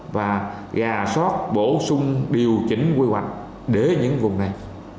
và gà sót bổ sung điều chỉnh quy hoạch để những vùng này